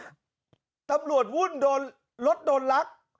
หึตำรวจวุ่นลดโดนรัก